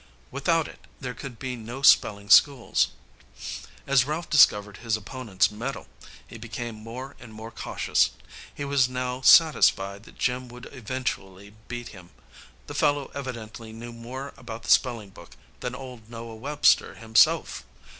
Without it there could be no spelling schools. As Ralph discovered his opponent's metal he became more and more cautious. He was now satisfied that Jim would eventually beat him. The fellow evidently knew more about the spelling book than old Noah Webster himself.